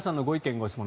・ご質問